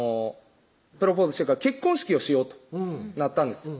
プロポーズしてから結婚式をしようとなったんですよ